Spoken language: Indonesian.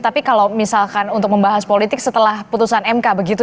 tapi kalau misalkan untuk membahas politik setelah putusan mk begitu